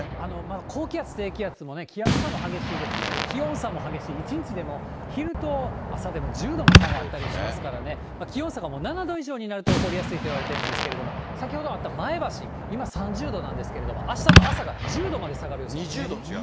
また高気圧、低気圧の気圧差も激しいですし、気温差も激しい、一日でも昼と朝でも１０度も差があったりしますからね、気温差がもう７度以上になると起こりやすいといわれているんですけれども、先ほどあった前橋、今３０度なんですけれども、あした２０度違う？